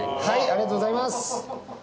ありがとうございます。